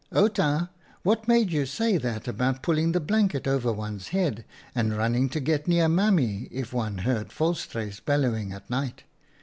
" Outa, what made you say that about pull ing the blankets over one's head and running to get near Mammie if one heard Volstruis bellowing at night?